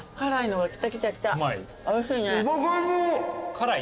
辛い？